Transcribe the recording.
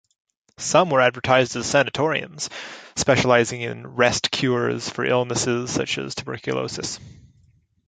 Some were advertised as sanatoriums, specializing in rest cures for illnesses such as tuberculosis.